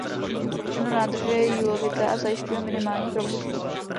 Dno nádrže je jílovité a zajišťuje minimální propustnost.